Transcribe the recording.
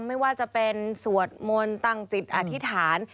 ไม่ว่าจะเป็นสวดมนต์ตั้งจิตอธิษฐาน